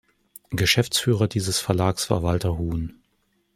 Geschäftsführer dieses Verlags war Walter Huhn.